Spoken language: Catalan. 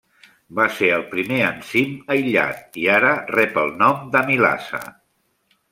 Va ser el primer enzim aïllat i ara rep el nom d'amilasa.